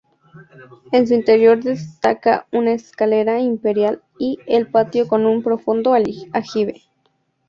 En su interior destaca una escalera imperial y el patio con un profundo aljibe.